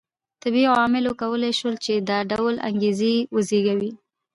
طبیعي عواملو کولای شول چې دا ډول انګېزې وزېږوي